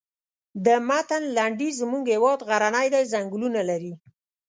د متن لنډیز زموږ هېواد غرنی دی ځنګلونه لري.